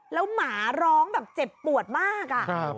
แล้วหมาร้องแบบเจ็บปวดมากอะ